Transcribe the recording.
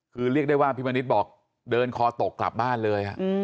คือเรียกได้ว่าพี่มณิษฐ์บอกเดินคอตกกลับบ้านเลย